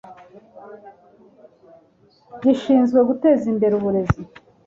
gishinzwe guteza imbere uburezi